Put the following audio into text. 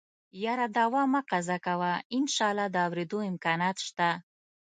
يره دوا مه قضا کوه انشاالله د اورېدو امکانات شته.